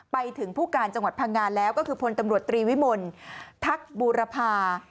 ไปถึงผู้การจังหวัดพังงานแล้วก็คือพลตำรวจตรีวิมลทักบูรพา